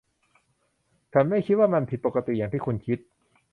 ฉันไม่คิดว่ามันผิดปกติอย่างที่คุณคิด